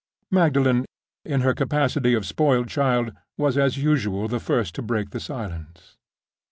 Magdalen, in her capacity of spoiled child, was, as usual, the first to break the silence.